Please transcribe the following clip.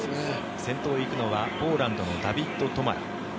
先頭を行くのはポーランドのダビッド・トマラ。